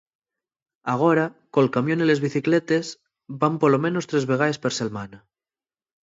Agora, col camión y les bicicletes van polo menos tres vegaes per selmana.